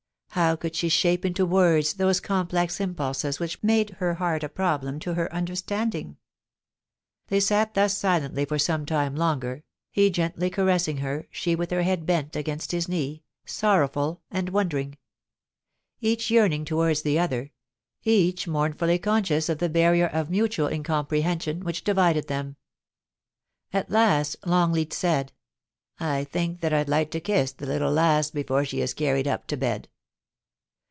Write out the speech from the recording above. How could she shape into words those complex impulses which made her heart a pro blem to her understanding ? They sat thus silently for some time longer, he gently caressing her, she with her head bent against his knee, sorrowful and wondering ; each yearning towards the other, each mournfully conscious of the barrier of mutual incom prehension which divided them. At last Iiongleat said :' I think that I'd like to kiss the little lass before she is carried up to bed.'